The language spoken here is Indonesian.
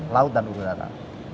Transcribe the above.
laut dan udara